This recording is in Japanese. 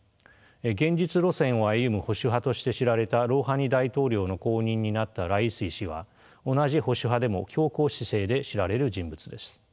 現実路線を歩む保守派として知られたロウハニ大統領の後任になったライシ師は同じ保守派でも強硬姿勢で知られる人物です。